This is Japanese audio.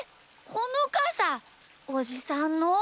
このかさおじさんの？